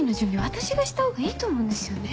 私がしたほうがいいと思うんですよね。